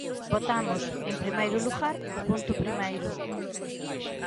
Votamos, en primeiro lugar, o punto primeiro.